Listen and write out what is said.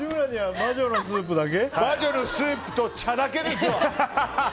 魔女のスープと茶だけですよ。